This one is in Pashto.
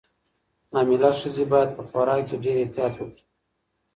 حامله ښځې باید په خوراک کې ډېر احتیاط وکړي.